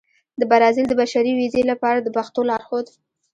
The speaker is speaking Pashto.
د برازيل د بشري ویزې لپاره د پښتو لارښود